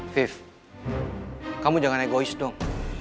five kamu jangan egois dong